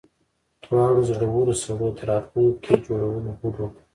دواړو زړورو سړو د راتلونکي جوړولو هوډ وکړ